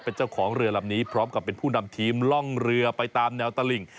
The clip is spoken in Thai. เป็นเจ้าของเรือลำนี้พร้อมกับเป็นผู้นำทีมล่องเรือไปตามแนวตลิ่ง